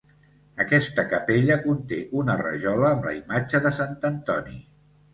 Aquesta capella conté una rajola amb la imatge de Sant Antoni.